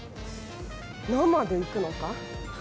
生で行くのか？